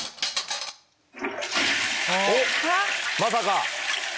おっまさか。